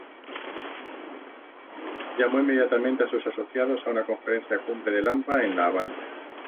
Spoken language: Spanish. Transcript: Llamó inmediatamente a sus asociados a una conferencia cumbre del Hampa en La Habana.